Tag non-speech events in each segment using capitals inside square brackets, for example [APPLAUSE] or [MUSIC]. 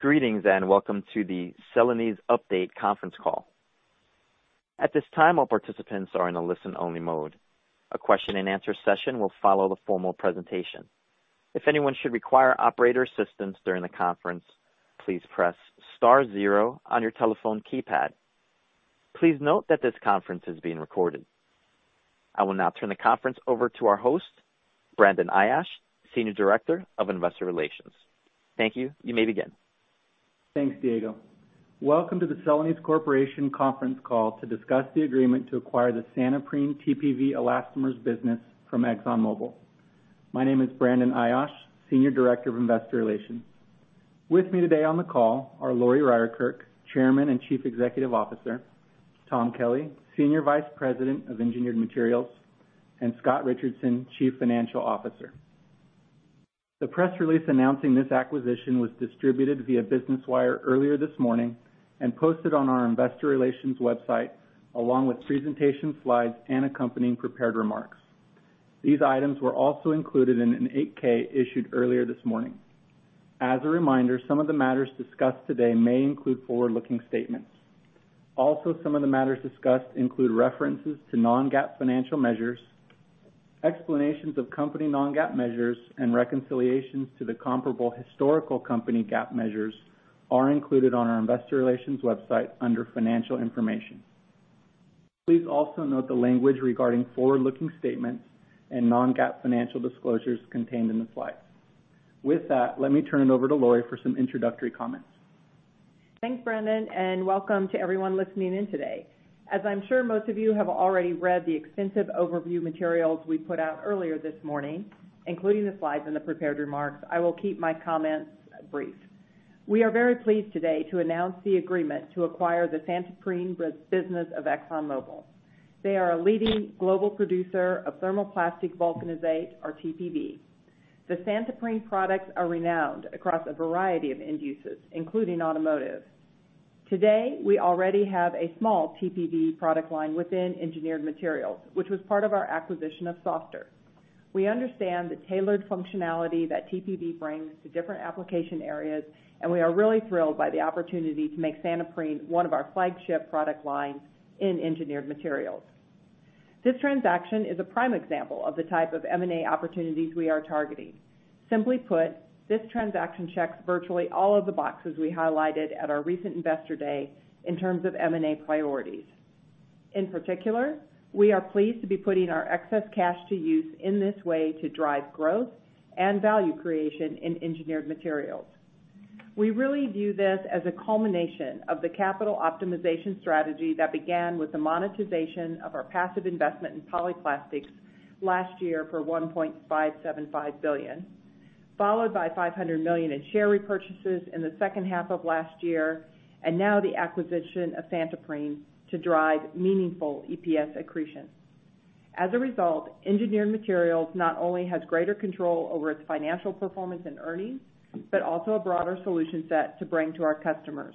Greetings, and welcome to the Celanese Update Conference Call. I will now turn the conference over to our host, Brandon Ayache, Senior Director of Investor Relations. Thank you. You may begin. Thanks, Diego. Welcome to the Celanese Corporation conference call to discuss the agreement to acquire the Santoprene TPV Elastomers business from ExxonMobil. My name is Brandon Ayache, Senior Director of Investor Relations. With me today on the call are Lori Ryerkerk, Chairman and Chief Executive Officer, Tom Kelly, Senior Vice President of Engineered Materials, and Scott Richardson, Chief Financial Officer. The press release announcing this acquisition was distributed via Business Wire earlier this morning and posted on our investor relations website, along with presentation slides and accompanying prepared remarks. These items were also included in an 8-K issued earlier this morning. As a reminder, some of the matters discussed today may include forward-looking statements. Also, some of the matters discussed include references to non-GAAP financial measures. Explanations of company non-GAAP measures and reconciliations to the comparable historical company GAAP measures are included on our investor relations website under financial information. Please also note the language regarding forward-looking statements and non-GAAP financial disclosures contained in the slides. With that, let me turn it over to Lori for some introductory comments. Thanks, Brandon, welcome to everyone listening in today. As I'm sure most of you have already read the extensive overview materials we put out earlier this morning, including the slides and the prepared remarks, I will keep my comments brief. We are very pleased today to announce the agreement to acquire the Santoprene business of ExxonMobil. They are a leading global producer of thermoplastic vulcanizate, or TPV. The Santoprene products are renowned across a variety of end uses, including automotive. Today, we already have a small TPV product line within Engineered Materials, which was part of our acquisition of SO.F.TER. We understand the tailored functionality that TPV brings to different application areas, and we are really thrilled by the opportunity to make Santoprene one of our flagship product lines in Engineered Materials. This transaction is a prime example of the type of M&A opportunities we are targeting. Simply put, this transaction checks virtually all of the boxes we highlighted at our recent Investor Day in terms of M&A priorities. In particular, we are pleased to be putting our excess cash to use in this way to drive growth and value creation in Engineered Materials. We really view this as a culmination of the capital optimization strategy that began with the monetization of our passive investment in Polyplastics last year for $1.575 billion, followed by $500 million in share repurchases in the second half of last year, and now the acquisition of Santoprene to drive meaningful EPS accretion. As a result, Engineered Materials not only has greater control over its financial performance and earnings, but also a broader solution set to bring to our customers.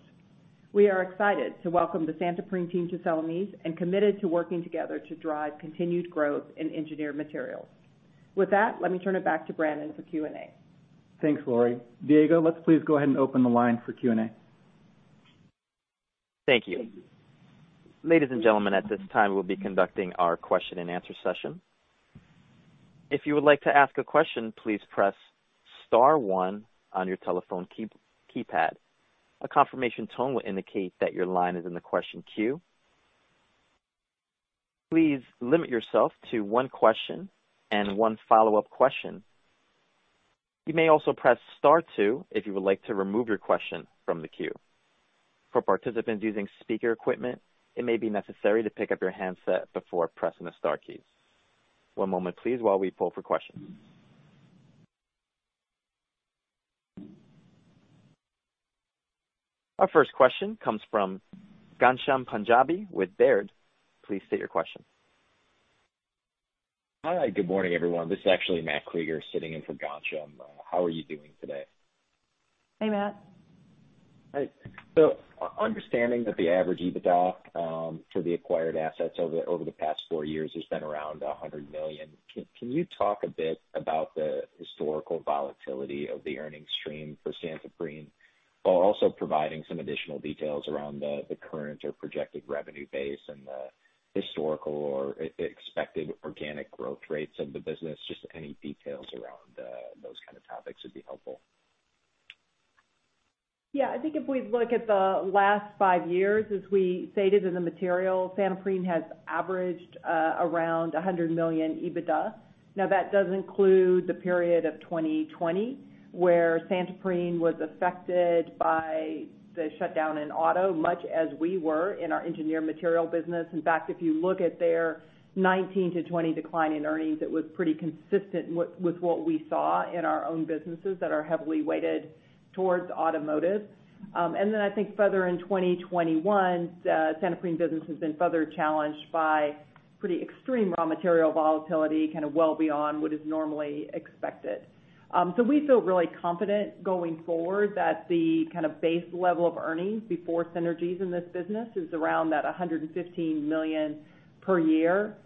We are excited to welcome the Santoprene team to Celanese and committed to working together to drive continued growth in Engineered Materials. With that, let me turn it back to Brandon for Q&A. Thanks, Lori. Diego, let's please go ahead and open the line for Q&A. Thank you. Ladies and gentlemen, at this time, we will be conducting our question and answer session. If you would like to ask a question, please press star one on your telephone keypad. A confirmation tone will indicate that your line is in the question queue. Please limit yourself to one question and one follow-up question. You may also press star two if you would like to remove your question from the queue. For participants using speaker equipment, it may be necessary to pick up your handset before pressing the star key. One moment, please, while we poll for questions. Our first question comes from Ghansham Panjabi with Baird. Please state your question. Hi, good morning, everyone. This is actually Matt Krieger sitting in for Ghansham. How are you doing today? Hey, Matt. Hi. Understanding that the average EBITDA for the acquired assets over the past four years has been around $100 million, can you talk a bit about the historical volatility of the earnings stream for Santoprene while also providing some additional details around the current or projected revenue base and the historical or expected organic growth rates of the business? Just any details around those kind of topics would be helpful. I think if we look at the last five years, as we stated in the material, Santoprene has averaged around $100 million EBITDA. That does include the period of 2020, where Santoprene was affected by the shutdown in auto, much as we were in our Engineered Materials business. In fact, if you look at their 2019 to 2020 decline in earnings, it was pretty consistent with what we saw in our own businesses that are heavily weighted towards automotive. I think further in 2021, Santoprene business has been further challenged by pretty extreme raw material volatility, kind of well beyond what is normally expected. We feel really confident going forward that the base level of earnings before synergies in this business is around that $115 million per year.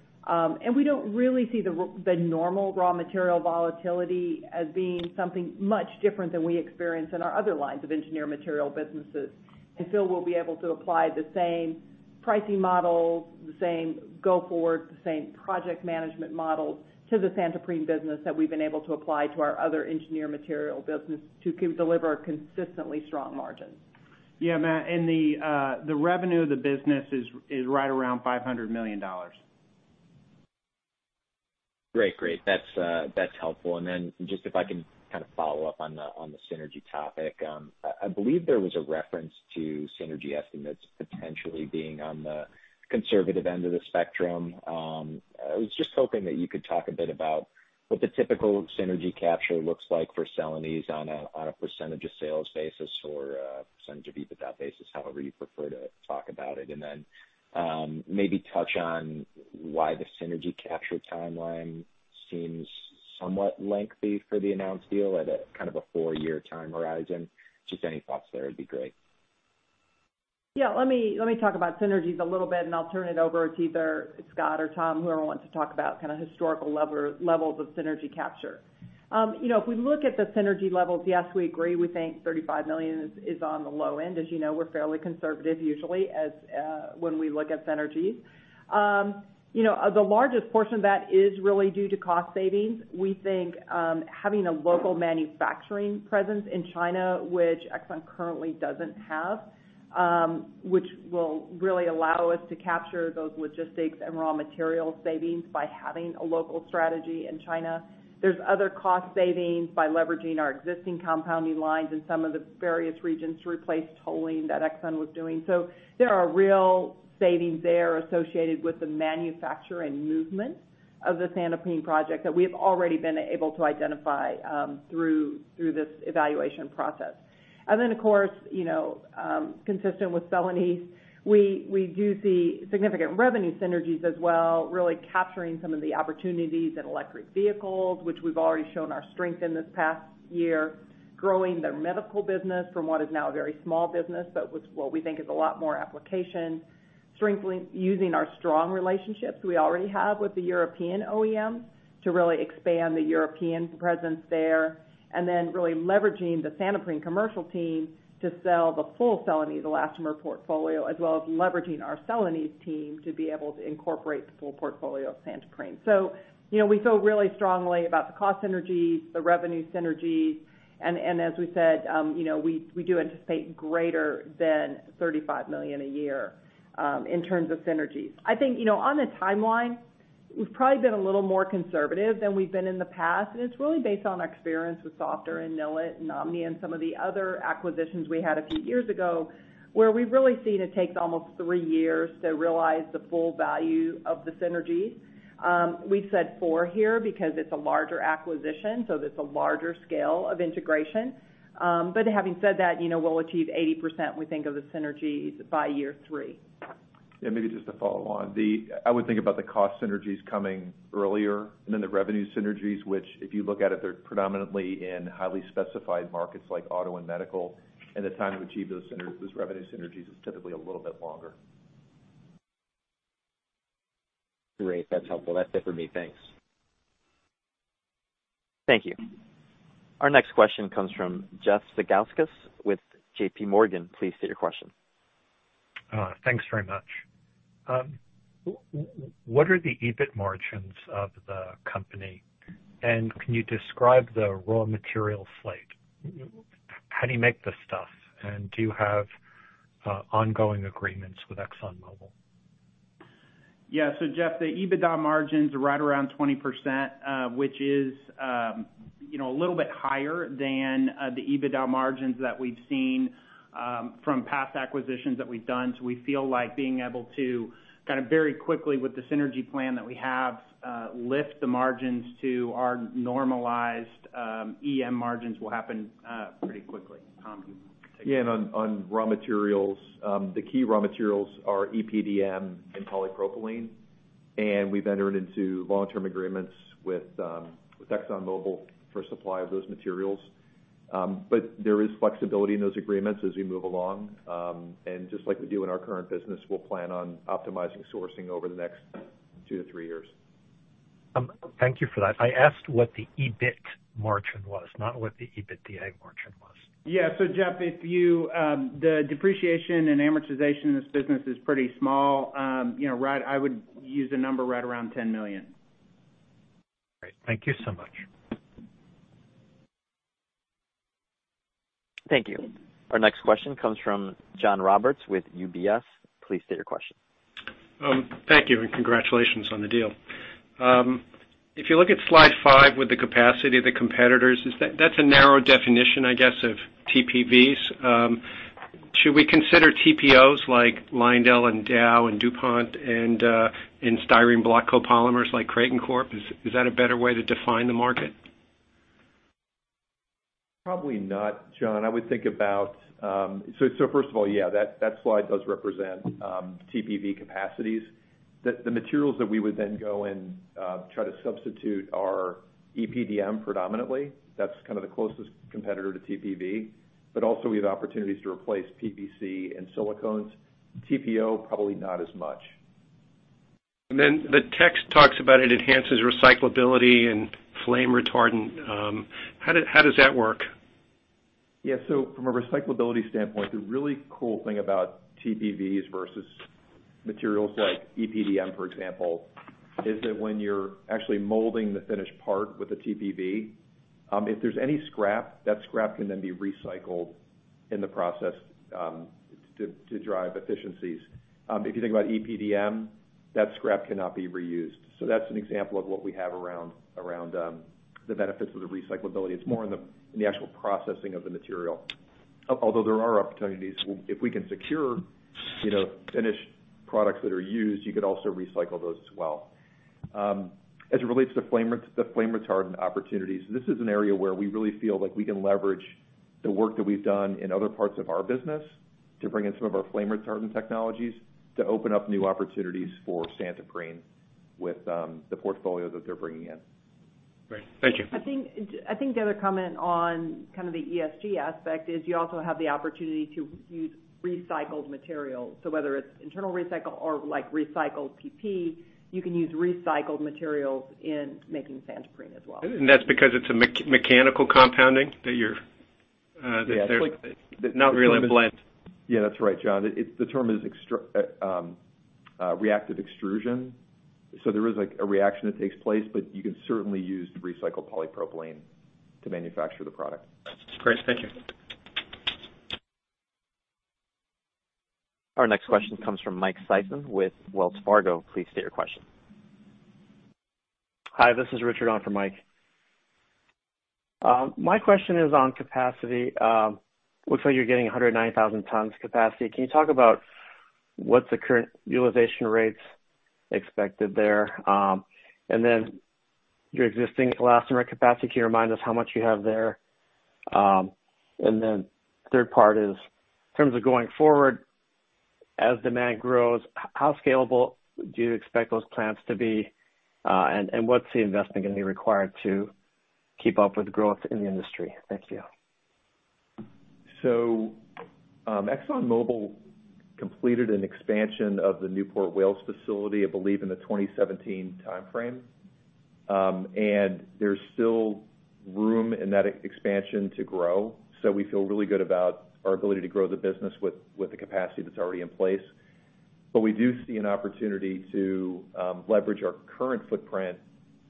We don't really see the normal raw material volatility as being something much different than we experience in our other lines of Engineered Materials businesses. So we'll be able to apply the same pricing models, the same go forward, the same project management models to the Santoprene business that we've been able to apply to our other Engineered Materials business to deliver consistently strong margins. Yeah, Matt, and the revenue of the business is right around $500 million. Great. That's helpful. Then just if I can follow up on the synergy topic. I believe there was a reference to synergy estimates potentially being on the conservative end of the spectrum. I was just hoping that you could talk a bit about what the typical synergy capture looks like for Celanese on a percentage of sales basis or a percentage of EBITDA basis, however you prefer to talk about it. Then maybe touch on why the synergy capture timeline seems somewhat lengthy for the announced deal at a 4-year time horizon. Just any thoughts there would be great. Yeah, let me talk about synergies a little bit, and I'll turn it over to either Scott Richardson or Tom Kelly, whoever wants to talk about historical levels of synergy capture. If we look at the synergy levels, yes, we agree. We think $35 million is on the low end. As you know, we're fairly conservative usually when we look at synergies. The largest portion of that is really due to cost savings. We think, having a local manufacturing presence in China, which ExxonMobil currently doesn't have, which will really allow us to capture those logistics and raw material savings by having a local strategy in China. There's other cost savings by leveraging our existing compounding lines in some of the various regions to replace tolling that ExxonMobil was doing. There are real savings there associated with the manufacture and movement of the Santoprene project that we've already been able to identify through this evaluation process. Of course, consistent with Celanese, we do the significant revenue synergies as well, really capturing some of the opportunities in electric vehicles, which we've already shown our strength in this past year. Growing the medical business from what is now a very small business, but what we think is a lot more application. Using our strong relationships we already have with the European OEMs to really expand the European presence there. Really leveraging the Santoprene commercial team to sell the full Celanese elastomer portfolio, as well as leveraging our Celanese team to be able to incorporate the full portfolio of Santoprene. We feel really strongly about the cost synergies, the revenue synergies, and as we said, we do anticipate greater than $35 million a year in terms of synergies. I think, on the timeline, we've probably been a little more conservative than we've been in the past, and it's really based on experience with SO.F.TER. Group and Nilit and Omni Plastics and some of the other acquisitions we had a few years ago, where we've really seen it take almost three years to realize the full value of the synergies. We've said four here because it's a larger acquisition, so it's a larger scale of integration. Having said that, we'll achieve 80%, we think, of the synergies by year three. Yeah, maybe just to follow on. I would think about the cost synergies coming earlier than the revenue synergies, which, if you look at it, they're predominantly in highly specified markets like auto and medical, and the time to achieve those revenue synergies is typically a little bit longer. Great. That's helpful. That's it for me. Thanks. Thank you. Our next question comes from Jeff Zekauskas with JPMorgan. Please state your question. Thanks very much. What are the EBIT margins of the company? Can you describe the raw material slate? How do you make this stuff? Do you have ongoing agreements with ExxonMobil? Yeah. Jeff, the EBITDA margins are right around 20%, which is a little bit higher than the EBITDA margins that we've seen from past acquisitions that we've done. We feel like being able to very quickly with the synergy plan that we have, lift the margins to our normalized EM margins will happen pretty quickly. On raw materials, the key raw materials are EPDM and polypropylene, and we've entered into long-term agreements with ExxonMobil for supply of those materials. There is flexibility in those agreements as we move along. Just like we do in our current business, we'll plan on optimizing sourcing over the next two to three years. Thank you for that. I asked what the EBIT margin was, not what the EBITDA margin was. Yeah. Jeff, the depreciation and amortization of this business is pretty small. I would use a number right around $10 million. Great. Thank you so much. Thank you. Our next question comes from John Roberts with UBS. Please state your question. Thank you, congratulations on the deal. If you look at slide five with the capacity of the competitors, that's a narrow definition, I guess, of TPVs. Should we consider TPOs like LyondellBasell and Dow and DuPont and styrenic block copolymers like Kraton Corporation? Is that a better way to define the market? Probably not, John. First of all, yeah, that slide does represent TPV capacities. The materials that we would then go and try to substitute are EPDM predominantly. That's the closest competitor to TPV. Also, we have opportunities to replace TPC and silicones. TPO probably not as much. The text talks about it enhances recyclability and flame retardant. How does that work? Yeah. From a recyclability standpoint, the really cool thing about TPVs versus materials like EPDM, for example, is that when you're actually molding the finished part with a TPV, if there's any scrap, that scrap can then be recycled in the process to drive efficiencies. If you think about EPDM, that scrap cannot be reused. That's an example of what we have around the benefits of the recyclability. It's more in the actual processing of the material. Although there are opportunities if we can secure finished products that are used, you could also recycle those as well. As it relates to flame retardant opportunities, this is an area where we really feel like we can leverage the work that we've done in other parts of our business to bring in some of our flame retardant technologies to open up new opportunities for Santoprene with the portfolio that they're bringing in. Great. Thank you. I think the other comment on kind of the ESG aspect is you also have the opportunity to use recycled materials. Whether it's internal recycle or like recycled PP, you can use recycled materials in making Santoprene as well. That's because it's a mechanical compounding. Yeah. Not really a blend. That's right, John. The term is reactive extrusion. There is a reaction that takes place, but you can certainly use recycled polypropylene to manufacture the product. Great. Thank you. Our next question comes from Michael Sison with Wells Fargo. Please state your question. Hi, this is Richard on for Mike. My question is on capacity. Looks like you're getting 109,000 tons capacity. Can you talk about what the current utilization rates expected there? Then your existing elastomer capacity, can you remind us how much you have there? Then third part is in terms of going forward as demand grows, how scalable do you expect those plants to be? What's the investment going to be required to keep up with growth in the industry? Thank you. ExxonMobil completed an expansion of the Newport, Wales facility, I believe, in the 2017 timeframe. There's still room in that expansion to grow. We feel really good about our ability to grow the business with the capacity that's already in place. We do see an opportunity to leverage our current footprint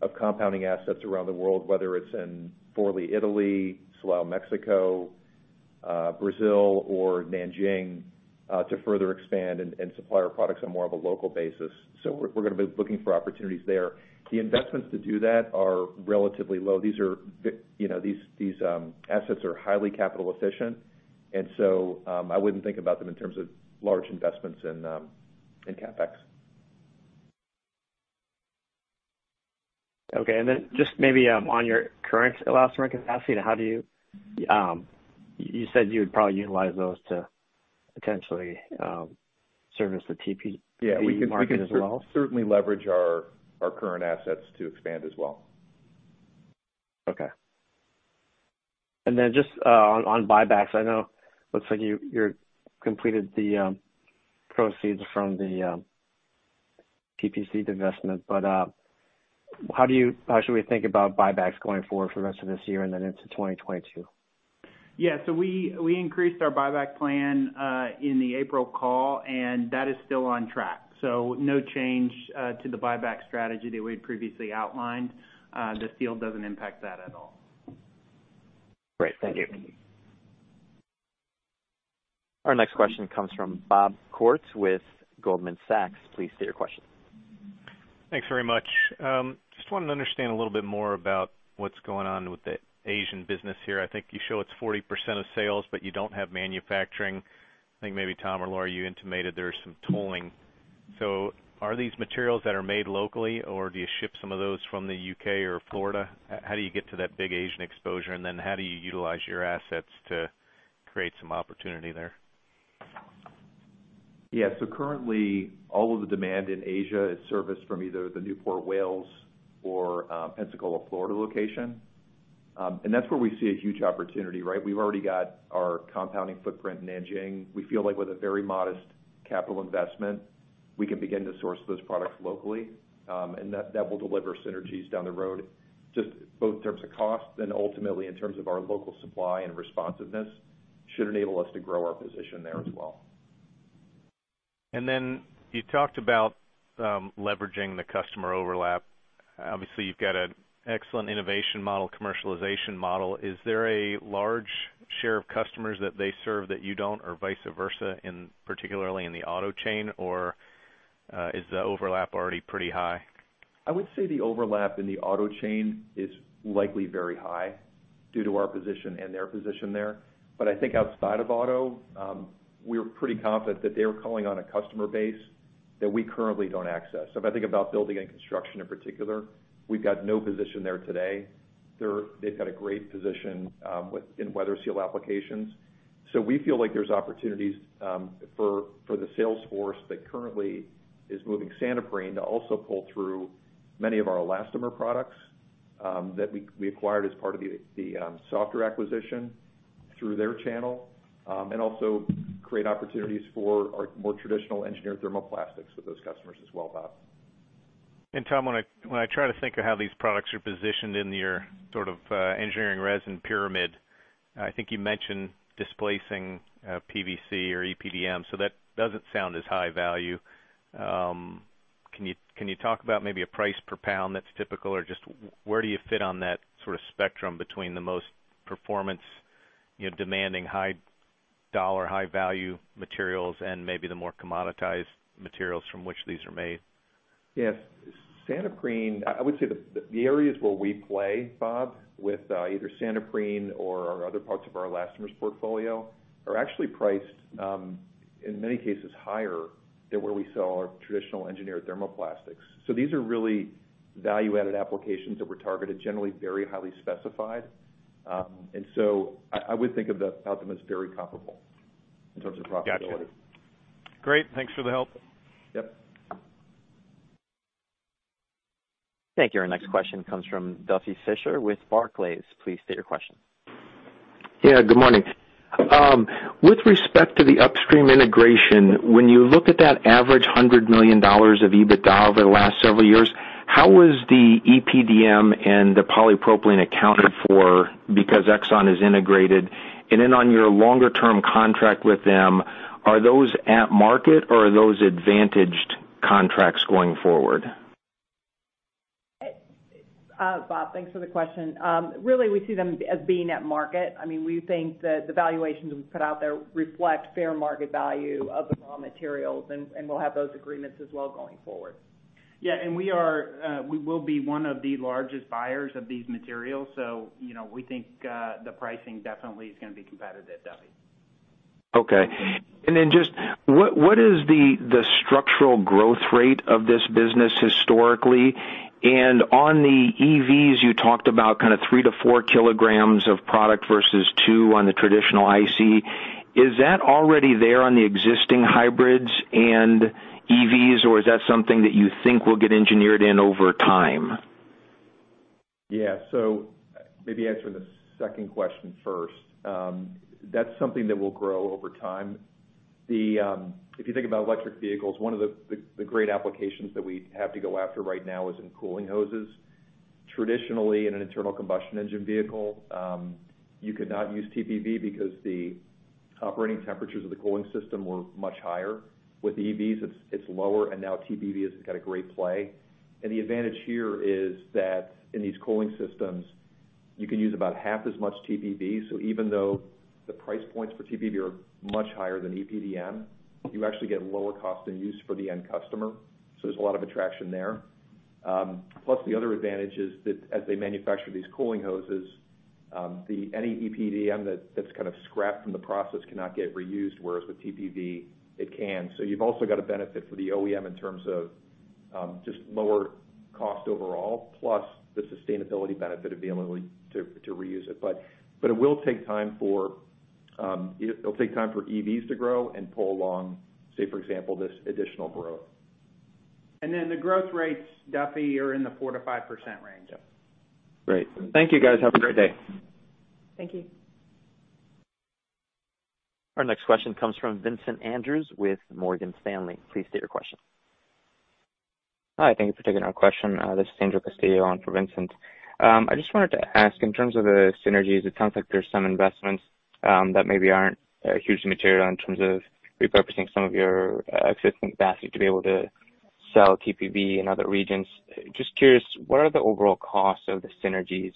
of compounding assets around the world, whether it's in Forli, Italy, Silao, Mexico, Brazil, or Nanjing, to further expand and supply our products on more of a local basis. We're going to be looking for opportunities there. The investments to do that are relatively low. These assets are highly capital efficient, I wouldn't think about them in terms of large investments in CapEx. Okay. Just maybe on your current elastomer capacity, you said you would probably utilize those to potentially service the PP markets as well. Yeah. We can certainly leverage our current assets to expand as well. Okay. Just on buybacks, I know it looks like you completed the proceeds from the PPC divestment, but how should we think about buybacks going forward for the rest of this year and then into 2022? Yeah. We increased our buyback plan in the April call, and that is still on track. No change to the buyback strategy that we previously outlined. This deal doesn't impact that at all. Great. Thank you. Our next question comes from Bob Koort with Goldman Sachs. Please state your question. Thanks very much. Just wanted to understand a little bit more about what's going on with the Asian business here. I think you show it's 40% of sales, but you don't have manufacturing. I think maybe Tom or Lori, you intimated there's some tolling. Are these materials that are made locally, or do you ship some of those from the U.K. or Florida? How do you get to that big Asian exposure, and then how do you utilize your assets to create some opportunity there? Yeah. Currently all of the demand in Asia is serviced from either the Newport, Wales or Pensacola, Florida, location. That's where we see a huge opportunity, right? We've already got our compounding footprint in Nanjing. We feel like with a very modest capital investment, we can begin to source those products locally, that will deliver synergies down the road, just both in terms of cost and ultimately in terms of our local supply and responsiveness should enable us to grow our position there as well. You talked about leveraging the customer overlap. Obviously, you've got an excellent innovation model, commercialization model. Is there a large share of customers that they serve that you don't or vice versa, particularly in the auto chain, or is the overlap already pretty high? I would say the overlap in the auto chain is likely very high due to our position and their position there. I think outside of auto, we are pretty confident that they are calling on a customer base that we currently don't access. If I think about building and construction in particular, we've got no position there today. They've got a great position within weather seal applications. We feel like there's opportunities for the sales force that currently is moving Santoprene to also pull through many of our elastomer products that we acquired as part of the SO.F.TER. acquisition through their channel, and also create opportunities for our more traditional engineered thermoplastics that those customers as well have. Tom, when I try to think of how these products are positioned in your engineering resin pyramid, I think you mentioned displacing PVC or EPDM, so that doesn't sound as high value. Can you talk about maybe a price per pound that's typical? Just where do you fit on that sort of spectrum between the most performance demanding, high dollar, high value materials and maybe the more commoditized materials from which these are made? Yes. I would say that the areas where we play, Bob, with either Santoprene or other parts of our elastomers portfolio are actually priced, in many cases, higher than where we sell our traditional engineered thermoplastics. These are really value-added applications that we're targeted, generally very highly specified. I would think of them as very profitable in terms of profitability. Got you. Great. Thanks for the help. Yep. Thank you. Our next question comes from Duffy Fischer with Barclays. Please state your question. Good morning. With respect to the upstream integration, when you look at that average $100 million of EBITDA over the last several years, how is the EPDM and the polypropylene accounted for because Exxon is integrated? On your longer term contract with them, are those at market or are those advantaged contracts going forward? Bob, thanks for the question. Really, we see them as being at market. We think that the valuations we put out there reflect fair market value of the raw materials, and we'll have those agreements as well going forward. Yeah, and we will be one of the largest buyers of these materials, so we think the pricing definitely is going to be competitive, Duffy. Okay. Just what is the structural growth rate of this business historically? On the EVs, you talked about kind of three to four kilograms of product versus two on the traditional ICE. Is that already there on the existing hybrids and EVs, or is that something that you think will get engineered in over time? Maybe answer the second question first. That's something that will grow over time. If you think about electric vehicles, one of the great applications that we have to go after right now is in cooling hoses. Traditionally, in an internal combustion engine vehicle, you could not use TPV because the operating temperatures of the cooling system were much higher. With EVs, it's lower, now TPV has got a great play. The advantage here is that in these cooling systems, you can use about half as much TPV. Even though the price points for TPV are much higher than EPDM, you actually get lower cost and use for the end customer. There's a lot of attraction there. The other advantage is that as they manufacture these cooling hoses, any EPDM that's kind of scrapped in the process cannot get reused, whereas with TPV it can. You've also got a benefit for the OEM in terms of just lower cost overall, plus the sustainability benefit of being able to reuse it. It'll take time for EVs to grow and pull along, say for example, this additional growth. The growth rates, Duffy, are in the four to five percent range. Great. Thank you, guys. Have a great day. Thank you. Our next question comes from Vincent Andrews with Morgan Stanley. Please state your question. Hi, thanks for taking our question. This is Andrew Castillo on for Vincent. I just wanted to ask in terms of the synergies, it sounds like there's some investments that maybe aren't hugely material in terms of repurposing some of your existing capacity to be able to sell TPV in other regions. Just curious, what are the overall costs of the synergies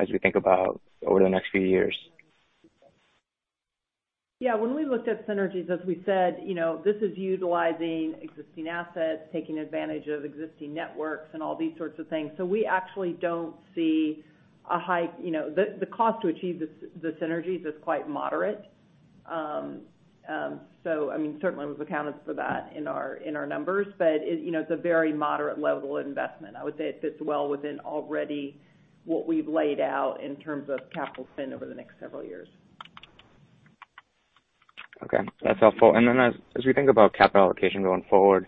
as you think about over the next few years? Yeah, when we looked at synergies, as we said, this is utilizing existing assets, taking advantage of existing networks and all these sorts of things. We actually don't see a. The cost to achieve the synergies is quite moderate. Certainly we've accounted for that in our numbers. It's a very moderate level investment. I would say it fits well within already what we've laid out in terms of capital spend over the next several years. Okay, that's helpful. As we think about capital allocation going forward,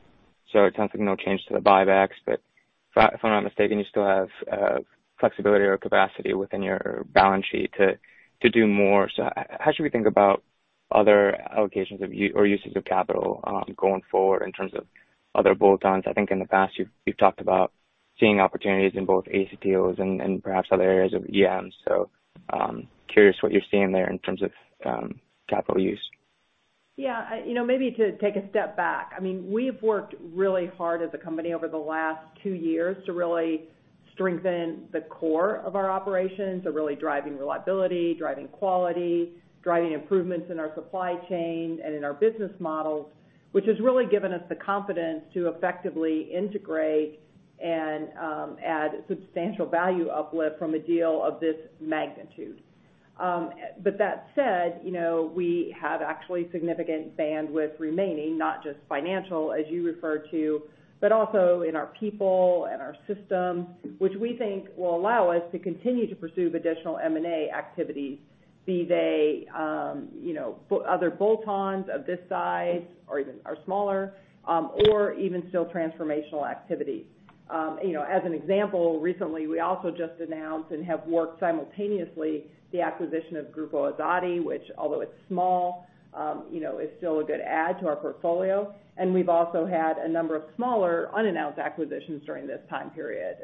so it sounds like no change to the buybacks, but if I'm not mistaken, you still have flexibility or capacity within your balance sheet to do more. How should we think about other allocations or uses of capital going forward in terms of other bolt-ons? I think in the past you've talked about seeing opportunities in both acetyls and perhaps other areas of EMs. Curious what you're seeing there in terms of capital use. Yeah. Maybe to take a step back. We've worked really hard as a company over the last two years to really strengthen the core of our operations, so really driving reliability, driving quality, driving improvements in our supply chain and in our business models, which has really given us the confidence to effectively integrate and add substantial value uplift from a deal of this magnitude. That said, we have actually significant bandwidth remaining, not just financial, as you refer to, but also in our people and our systems, which we think will allow us to continue to pursue additional M&A activity, be they other bolt-ons of this size or even smaller, or even still transformational activity. As an example, recently we also just announced and have worked simultaneously the acquisition of Grupo Ogati, which although it's small, is still a good add to our portfolio. We've also had a number of smaller unannounced acquisitions during this time period.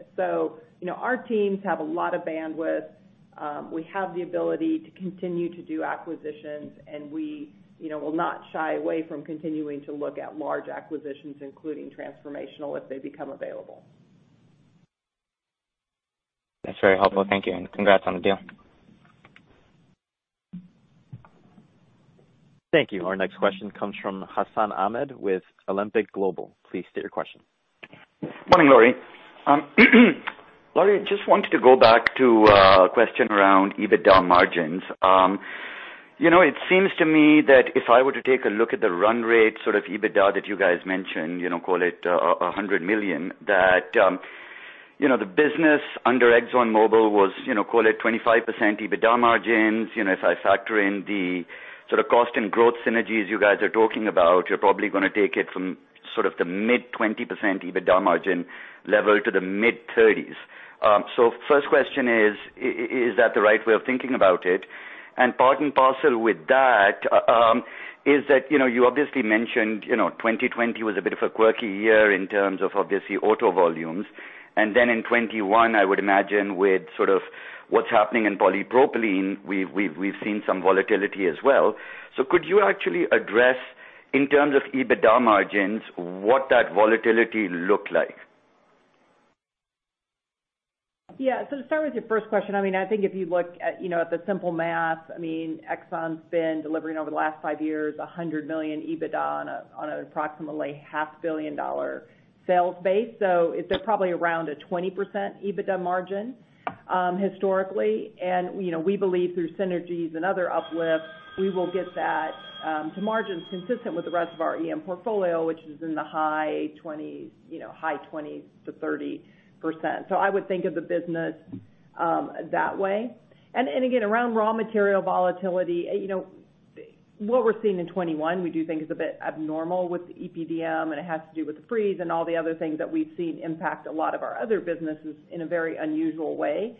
Our teams have a lot of bandwidth. We have the ability to continue to do acquisitions, and we will not shy away from continuing to look at large acquisitions, including transformational, if they become available. That's very helpful. Thank you, and congrats on the deal. Thank you. Our next question comes from Hassan Ahmed with Alembic Global Advisors. Please state your question. Morning, Lori. Lori, just wanted to go back to a question around EBITDA margins. It seems to me that if I were to take a look at the run rate sort of EBITDA that you guys mentioned, call it $100 million, that the business under ExxonMobil was, call it 25% EBITDA margins. If I factor in the sort of cost and growth synergies you guys are talking about, you're probably going to take it from sort of the mid-20% EBITDA margin level to the mid-30s. First question is that the right way of thinking about it? Part and parcel with that is that you obviously mentioned 2020 was a bit of a quirky year in terms of, obviously, auto volumes. In 2021, I would imagine with sort of what's happening in polypropylene, we've seen some volatility as well. Could you actually address, in terms of EBITDA margins, what that volatility looked like? To start with your first question, I think if you look at the simple math, Exxon's been delivering over the last five years $100 million EBITDA on an approximately half billion dollar sales base. It's at probably around a 20% EBITDA margin historically. We believe through synergies and other uplifts, we will get that to margins consistent with the rest of our EM portfolio, which is in the high 20%-30%. I would think of the business that way. Again, around raw material volatility, what we're seeing in 2021 we do think is a bit abnormal with the EPDM, and it has to do with freeze and all the other things that we've seen impact a lot of our other businesses in a very unusual way.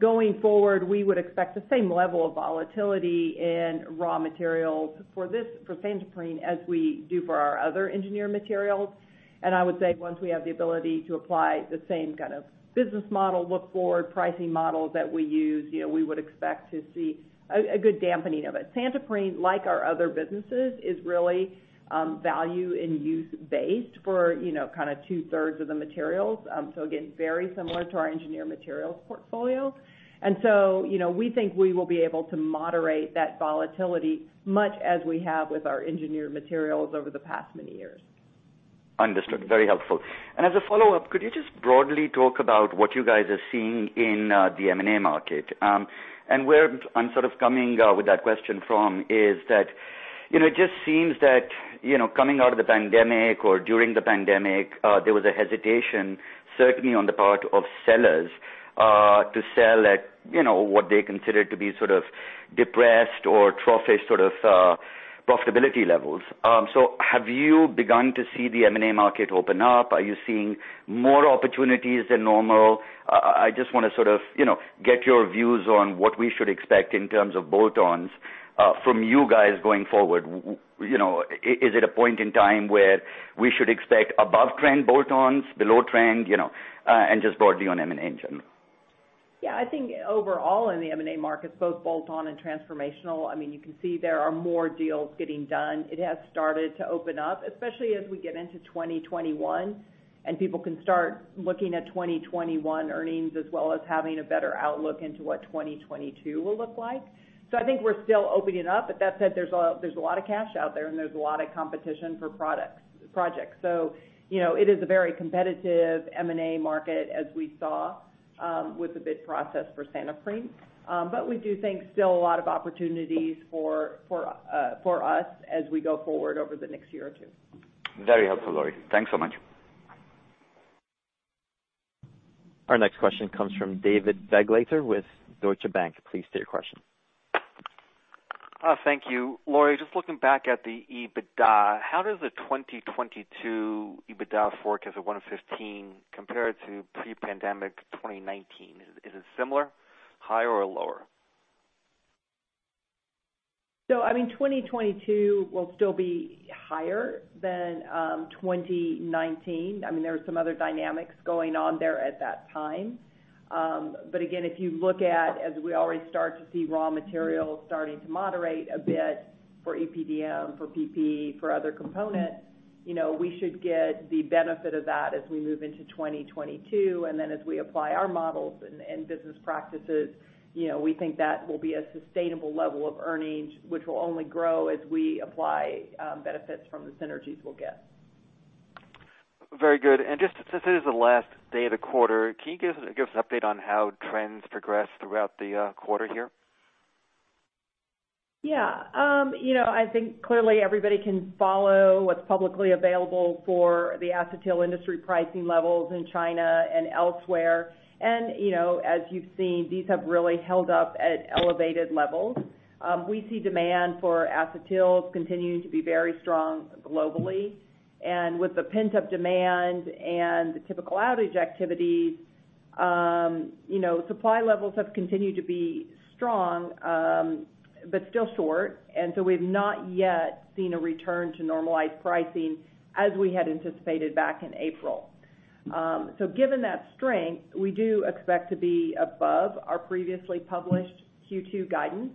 Going forward, we would expect the same level of volatility in raw materials for Santoprene as we do for our other Engineered Materials. I would say once we have the ability to apply the same kind of business model look-forward pricing model that we use, we would expect to see a good dampening of it. Santoprene, like our other businesses, is really value and use based for two-thirds of the materials. Again, very similar to our Engineered Materials portfolio. We think we will be able to moderate that volatility much as we have with our Engineered Materials over the past many years. Understood. Very helpful. As a follow-up, could you just broadly talk about what you guys are seeing in the M&A market? Where I'm sort of coming with that question from is that it just seems that coming out of the pandemic or during the pandemic, there was a hesitation, certainly on the part of sellers, to sell at what they consider to be sort of depressed or trough-ish sort of profitability levels. Have you begun to see the M&A market open up? Are you seeing more opportunities than normal? I just want to sort of get your views on what we should expect in terms of bolt-ons from you guys going forward. Is it a point in time where we should expect above-trend bolt-ons, below trend? Just broadly on M&A in general. Yeah, I think overall in the M&A market, both bolt-on and transformational, you can see there are more deals getting done. It has started to open up, especially as we get into 2021, and people can start looking at 2021 earnings as well as having a better outlook into what 2022 will look like. I think we're still opening up, but that said, there's a lot of cash out there, and there's a lot of competition for projects. It is a very competitive M&A market, as we saw with the bid process for Santoprene. We do think still a lot of opportunities for us as we go forward over the next year or two. Very helpful, Lori. Thanks so much. Our next question comes from David Begleiter with Deutsche Bank. Please state your question. Thank you. Lori, just looking back at the EBITDA, how does the 2022 EBITDA forecast of $115 compare to pre-pandemic 2019? Is it similar, higher, or lower? 2022 will still be higher than 2019. There were some other dynamics going on there at that time. Again, if you look at as we already start to see raw materials starting to moderate a bit for EPDM, for PP, for other components, we should get the benefit of that as we move into 2022. Then as we apply our models and business practices, we think that will be a sustainable level of earnings, which will only grow as we apply benefits from the synergies we'll get. Very good. Just since this is the last data quarter, can you give us an update on how trends progressed throughout the quarter here? Yeah. I think clearly everybody can follow what's publicly available for the acetyl industry pricing levels in China and elsewhere. As you've seen, these have really held up at elevated levels. We see demand for acetyl continuing to be very strong globally. With the pent-up demand and the typical outage activity, supply levels have continued to be strong but still short. We've not yet seen a return to normalized pricing as we had anticipated back in April. Given that strength, we do expect to be above our previously published Q2 guidance.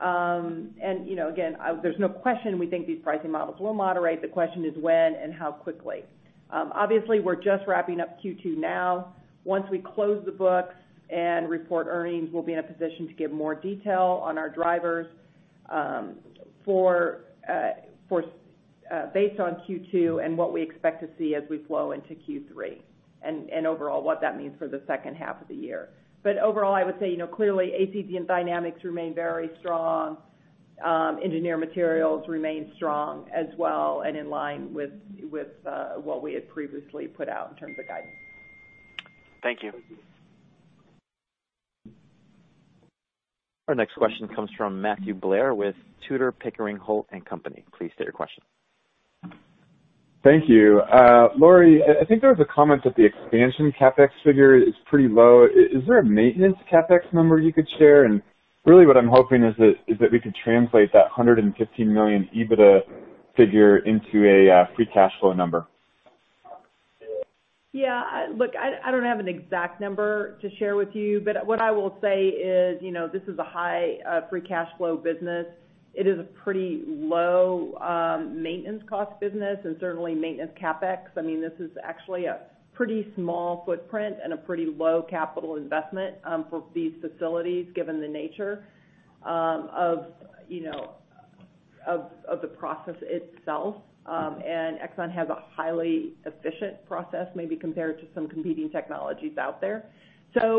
Again, there's no question we think these pricing models will moderate. The question is when and how quickly. Obviously, we're just wrapping up Q2 now. Once we close the books and report earnings, we'll be in a position to give more detail on our drivers based on Q2 and what we expect to see as we flow into Q3, and overall what that means for the second half of the year. Overall, I would say, clearly APD and Dynamics remain very strong. Engineered Materials remain strong as well and in line with what we had previously put out in terms of guidance. Thank you. Our next question comes from Matthew Blair with Tudor, Pickering, Holt & Co.. Please state your question. Thank you. Lori, I think there was a comment that the expansion CapEx figure is pretty low. Is there a maintenance CapEx number you could share? Really what I'm hoping is that we could translate that $150 million EBITDA figure into a free cash flow number. Yeah, look, I don't have an exact number to share with you, but what I will say is, this is a high free cash flow business. It is a pretty low maintenance cost business and certainly maintenance CapEx. This is actually a pretty small footprint and a pretty low capital investment for these facilities, given the nature of the process itself. Exxon has a highly efficient process maybe compared to some competing technologies out there.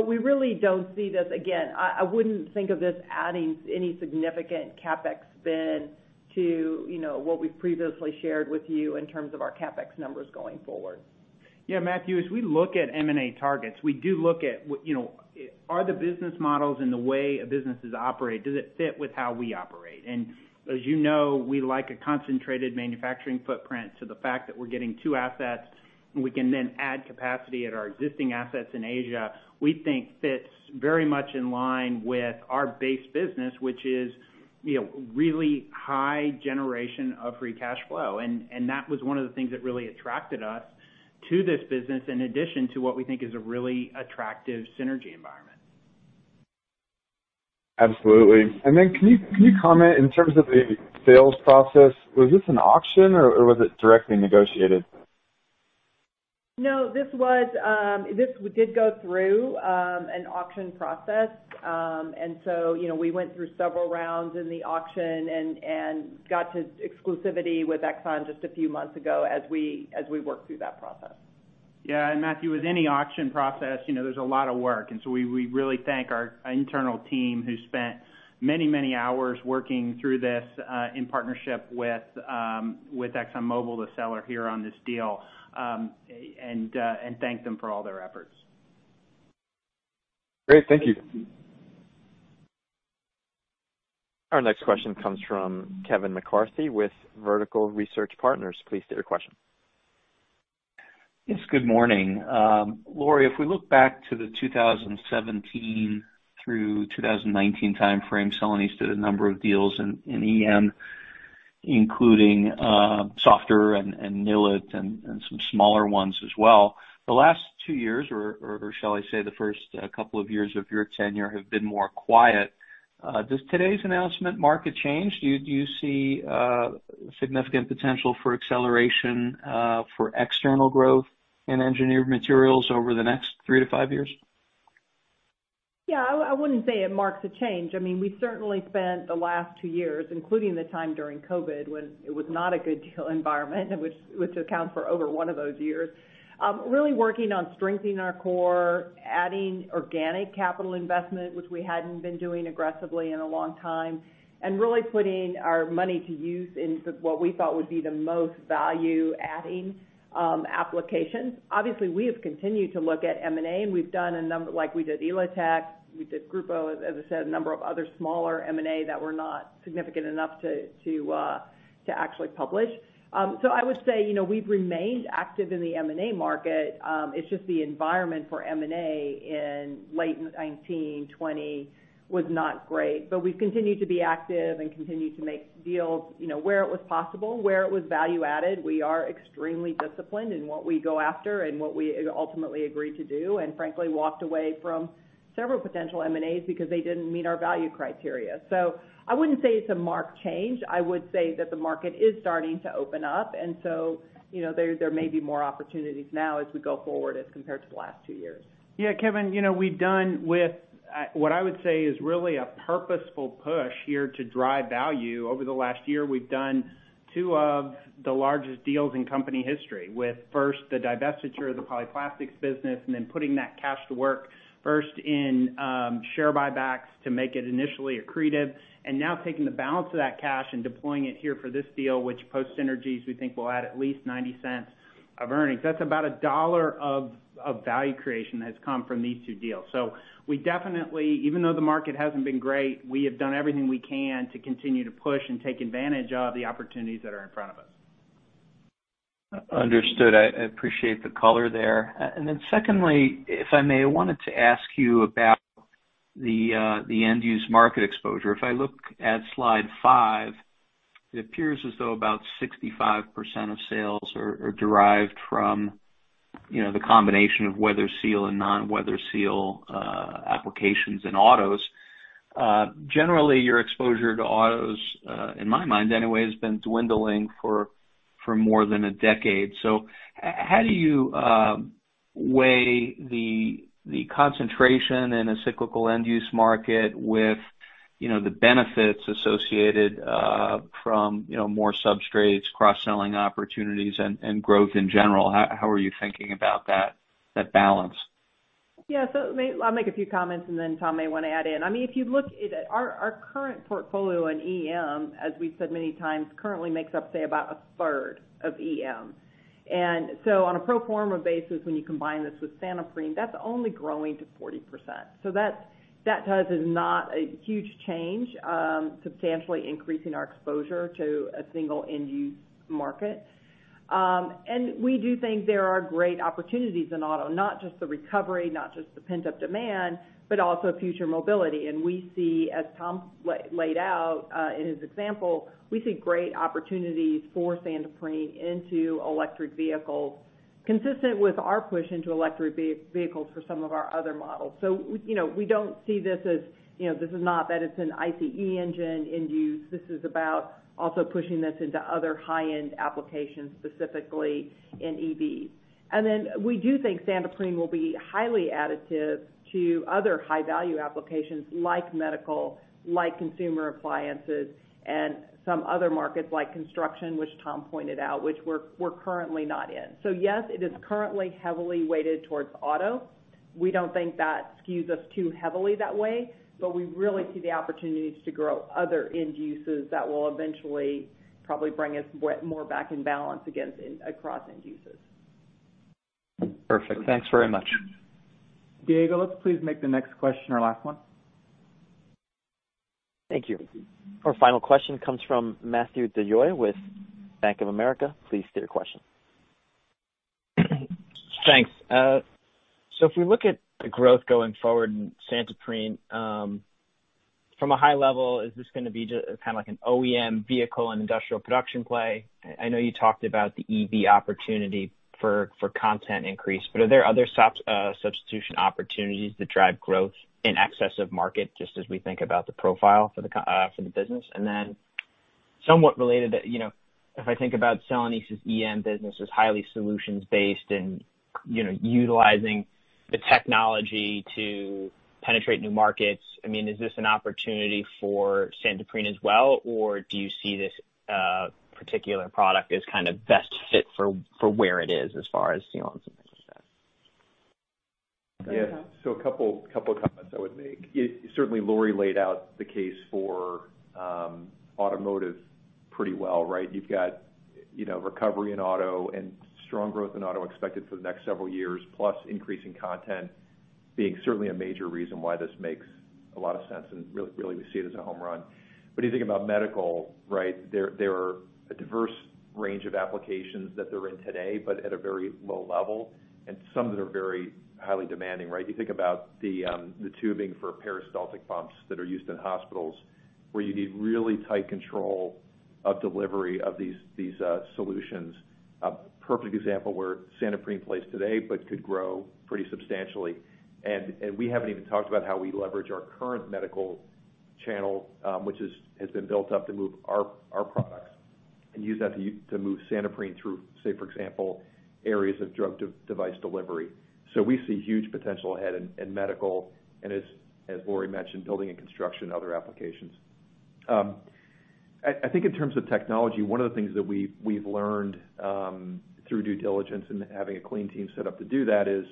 We really don't see this again, I wouldn't think of this adding any significant CapEx spend to what we previously shared with you in terms of our CapEx numbers going forward. Yeah, Matthew, as we look at M&A targets, we do look at are the business models and the way a business is operated, does it fit with how we operate? As you know, we like a concentrated manufacturing footprint. The fact that we're getting two assets and we can then add capacity at our existing assets in Asia, we think fits very much in line with our base business, which is really high generation of free cash flow. That was one of the things that really attracted us to this business, in addition to what we think is a really attractive synergy environment. Absolutely. Can you comment in terms of the sales process, was this an auction or was it directly negotiated? No, we did go through an auction process. We went through several rounds in the auction and got to exclusivity with Exxon just a few months ago as we worked through that process. Yeah, Matthew, with any auction process, there's a lot of work. We really thank our internal team who spent many hours working through this in partnership with ExxonMobil, the seller here on this deal, and thank them for all their efforts. Great. Thank you. Our next question comes from Kevin McCarthy with Vertical Research Partners. Please state your question. Yes, good morning. Lori, if we look back to the 2017 through 2019 timeframe, Celanese did a number of deals in EM, including SO.F.TER. and Nilit and some smaller ones as well. The last two years, or shall I say the first couple of years of your tenure, have been more quiet. Does today's announcement mark a change? Do you see significant potential for acceleration for external growth in Engineered Materials over the next three to five years? I wouldn't say it marks a change. We certainly spent the last two years, including the time during COVID, when it was not a good environment, which accounts for over one of those years, really working on strengthening our core, adding organic capital investment, which we hadn't been doing aggressively in a long time, and really putting our money to use in what we thought would be the most value-adding applications. Obviously, we have continued to look at M&A, and we've done a number, like we did Elotex, we did Grupo, as I said, a number of other smaller M&A that were not significant enough to actually publish. I would say, we've remained active in the M&A market. It's just the environment for M&A in late 2019, 2020 was not great. We continued to be active and continued to make deals where it was possible, where it was value added. We are extremely disciplined in what we go after and what we ultimately agree to do. Frankly walked away from several potential M&As because they didn't meet our value criteria. I wouldn't say it's a marked change. I would say that the market is starting to open up, and so there may be more opportunities now as we go forward as compared to the last two years. Yeah, Kevin, we've done with what I would say is really a purposeful push here to drive value. Over the last year, we've done two of the largest deals in company history with first the divestiture of the Polyplastics business and then putting that cash to work first in share buybacks to make it initially accretive and now taking the balance of that cash and deploying it here for this deal, which post synergies we think will add at least $0.90 of earnings. That's about $1 of value creation that's come from these two deals. We definitely, even though the market hasn't been great, we have done everything we can to continue to push and take advantage of the opportunities that are in front of us. Understood. I appreciate the color there. Secondly, if I may, I wanted to ask you about. The end-use market exposure. If I look at slide five, it appears as though about 65% of sales are derived from the combination of weather seal and non-weather seal applications in autos. Generally, your exposure to autos, in my mind anyway, has been dwindling for more than a decade. How do you weigh the concentration in a cyclical end-use market with the benefits associated from more substrates, cross-selling opportunities, and growth in general? How are you thinking about that balance? Yeah. I'll make a few comments, and then Tom may want to add in. If you look at our current portfolio in EM, as we've said many times, currently makes up, say, about a third of EM. On a pro forma basis, when you combine this with Santoprene, that's only growing to 40%. That is not a huge change, substantially increasing our exposure to a single end-use market. We do think there are great opportunities in auto, not just the recovery, not just the pent-up demand, but also future mobility. We see, as Tom laid out in his example, we see great opportunities for Santoprene into electric vehicles, consistent with our push into electric vehicles for some of our other models. We don't see this as, this is not that it's an ICE engine end use. This is about also pushing this into other high-end applications, specifically in EVs. We do think Santoprene will be highly additive to other high-value applications like medical, like consumer appliances, and some other markets like construction, which Tom pointed out, which we're currently not in. Yes, it is currently heavily weighted towards auto. We don't think that skews us too heavily that way, but we really see the opportunities to grow other end uses that will eventually probably bring us more back in balance again across end uses. Perfect. Thanks very much. Diego, let's please make the next question our last one. Thank you. Our final question comes from Matthew DeYoe with Bank of America. Please state your question. Thanks. If we look at the growth going forward in Santoprene, from a high level, is this going to be kind of like an OEM vehicle and industrial production play? I know you talked about the EV opportunity for content increase, but are there other substitution opportunities that drive growth in excess of market, just as we think about the profile for the business? Somewhat related, if I think about Celanese's EM business as highly solutions-based and utilizing the technology to penetrate new markets, is this an opportunity for Santoprene as well? Do you see this particular product as kind of best fit for where it is as far as Celanese business goes? Yeah. [CROSSTALK] A couple of comments I would make. Certainly, Lori laid out the case for automotive pretty well, right? You've got recovery in auto and strong growth in auto expected for the next several years, plus increasing content being certainly a major reason why this makes a lot of sense and really we see it as a home run. If you think about medical, right, there are a diverse range of applications that they're in today, but at a very low level, and some that are very highly demanding, right? You think about the tubing for peristaltic pumps that are used in hospitals, where you need really tight control of delivery of these solutions. A perfect example where Santoprene plays today, but could grow pretty substantially. We haven't even talked about how we leverage our current medical channel, which has been built up to move our products and use that to move Santoprene through, say, for example, areas of drug device delivery. We see huge potential ahead in medical and as Lori mentioned, building and construction, other applications. I think in terms of technology, one of the things that we've learned through due diligence and having a clean team set up to do that is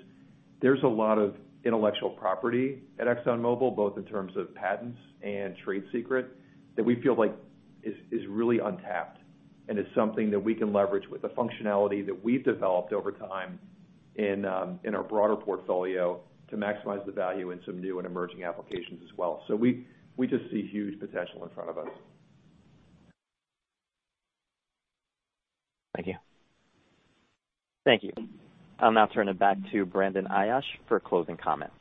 there's a lot of intellectual property at ExxonMobil, both in terms of patents and trade secret, that we feel like is really untapped. It's something that we can leverage with the functionality that we've developed over time in our broader portfolio to maximize the value in some new and emerging applications as well. We just see huge potential in front of us. Thank you. Thank you. I will now turn it back to Brandon Ayache for closing comments.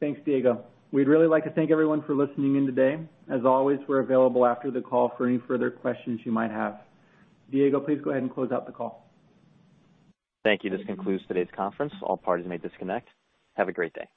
Thanks, Diego. We'd really like to thank everyone for listening in today. As always, we're available after the call for any further questions you might have. Diego, please go ahead and close out the call. Thank you. This concludes today's conference. All parties may disconnect. Have a great day.